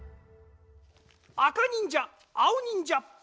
あかにんじゃあおにんじゃ。